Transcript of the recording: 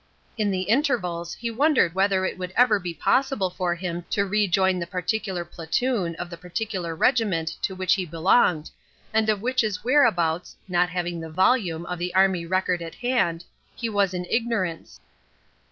In the intervals he wondered whether it would ever be possible for him to rejoin the particular platoon of the particular regiment to which he belonged, and of which's whereabouts (not having the volume of the army record at hand) he was in ignorance.